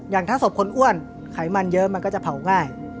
อย่างถ้าศพคนอ้วนไขมันเยอะมันก็จะเผาง่าย